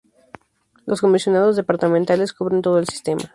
Los comisionados departamentales cubren todo el sistema.